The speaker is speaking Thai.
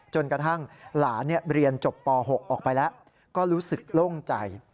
จนกระทั่งหลานเรียนจบป๖ออกไปแล้วก็รู้สึกโล่งใจ